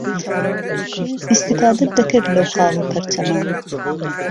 ئیستیفادهت دهکرد لهو خاڵ و پهرچهمه